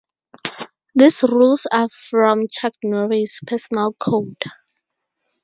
These rules are from Chuck Norris' personal code.